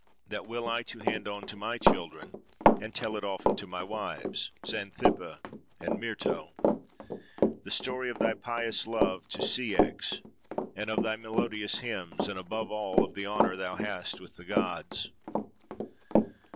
that will I too hand on to my children, and tell it often to my wives, Xanthippe and Myrto:—the story of thy pious love to Ceyx, and of thy melodious hymns; and, above all, of the honour thou hast with the gods!"